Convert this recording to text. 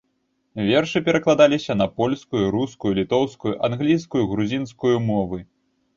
Вершы перакладаліся на польскую, рускую, літоўскую, англійскую, грузінскую мовы.